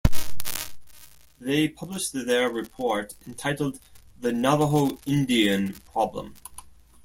They published their report, entitled "The Navajo Indian Problem".